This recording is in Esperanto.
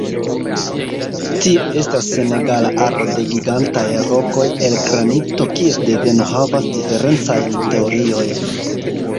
Tie estas senegala aro de gigantaj rokoj el granito kies deveno havas diferencajn teoriojn.